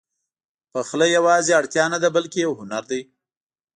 پخلی یواځې اړتیا نه ده، بلکې یو هنر دی.